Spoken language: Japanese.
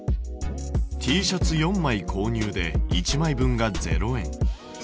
Ｔシャツ４枚購入で１枚分が０円。